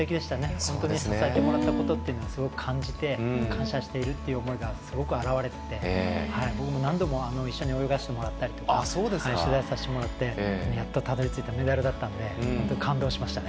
本当に思ったことをすごく感じて感謝しているという思いがあらわれてて僕も何度も一緒に泳がせてもらったり取材させてもらったりしてやっとたどりついたメダルだったので感動しました。